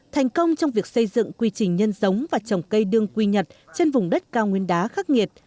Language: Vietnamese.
thành công trong việc xây dựng quy trình nhân giống và trồng cây đương quy nhật trên vùng đất cao nguyên đá khắc nghiệt